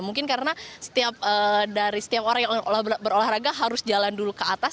mungkin karena dari setiap orang yang berolahraga harus jalan dulu ke atas